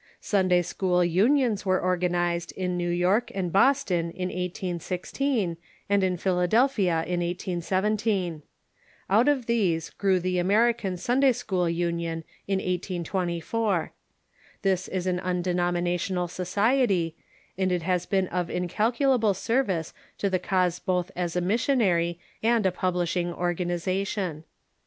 Sunday school unions Avere organized in New York and in Boston in 1816, and in Philadelphia in 1817. Out of these grew the American Sunday school Union in 1824. This is an undenominational society, and it has been of incalculable ser vice to the cause both as a missionary and a publishing organ ization.